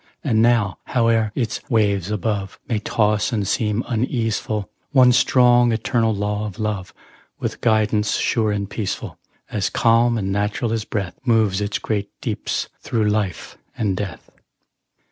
And now, howe'er its waves above May toss and seem uneaseful, One strong, eternal law of Love, With guidance sure and peaceful, As calm and natural as breath, Moves its great deeps through life and death.